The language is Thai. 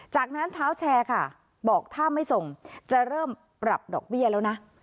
จากนั้นเท้าแชร์ค่ะบอกถ้าไม่ส่งจะเริ่มปรับดอกเบี้ยแล้วนะ